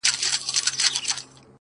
چي پکي روح نُور سي!! چي پکي وژاړي ډېر!!